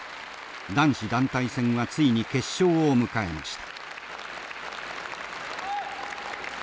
男子団体戦はついに決勝を迎えました。